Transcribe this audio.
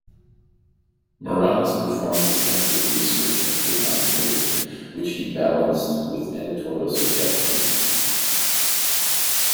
Morales performed extensive research into the time period, which he balanced with editorial suggestions.